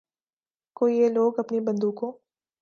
کو یہ لوگ اپنی بندوقوں